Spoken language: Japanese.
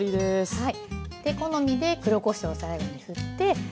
はい。